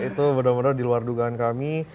itu bener bener diluar dugaan kami